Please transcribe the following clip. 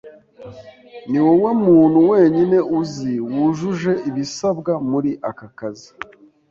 Niwowe muntu wenyine uzi wujuje ibisabwa muri aka kazi.